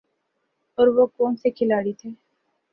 اور وہ کون سے کھلاڑی تھے ۔